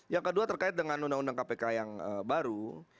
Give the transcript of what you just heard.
yang kedua terkait dengan undang undang kpk yang baru